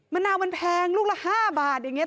มะนาวมันแพงลูกละ๕บาทอย่างนี้